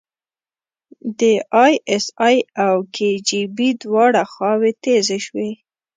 د ای اس ای او کي جی بي دواړه خواوې تیزې شوې.